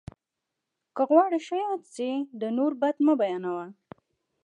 که غواړې ښه یاد سې، د نور بد مه بيانوه!